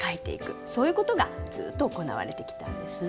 そういう事がずっと行われてきたんですね。